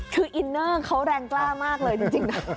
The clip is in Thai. คืออินเนอร์เขาแรงกล้ามากเลยจริงนะ